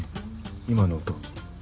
今の音。